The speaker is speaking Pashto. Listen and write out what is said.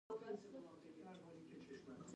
باید له اشخاصو سره د بالذات غایې چلند وشي.